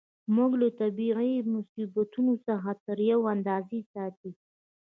موږ له طبیعي مصیبتونو څخه تر یوې اندازې ساتي.